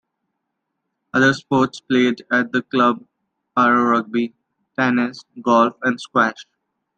Other sports played at the club are rugby, tennis, golf and squash.